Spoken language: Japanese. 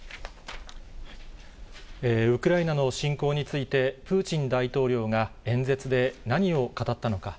ウクライナの侵攻について、プーチン大統領が演説で何を語ったのか。